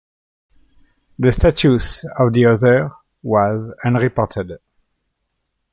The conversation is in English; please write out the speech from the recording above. The status of the other was unreported.